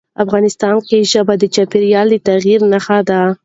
افغانستان کې ژبې د چاپېریال د تغیر نښه ده.